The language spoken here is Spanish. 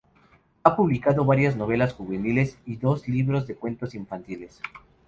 Ha publicado varias novelas juveniles y dos libros de cuentos infantiles.